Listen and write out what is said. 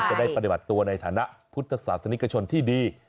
จะได้ปฏิบัติตัวในฐานะพุทธศาสนิกชนที่ดี